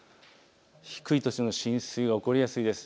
低い土地の浸水が起こりやすいです。